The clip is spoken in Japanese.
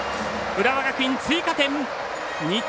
浦和学院、追加点。